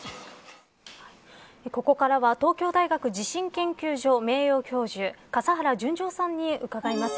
ここからは東京大学地震研究所名誉教授笠原順三さんに伺います。